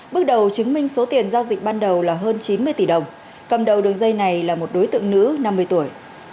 bước đầu chứng minh số tiền giao dịch ban đầu là hơn chín mươi tỷ đồng cầm đầu đường dây này là một đối tượng nữ năm mươi tuổi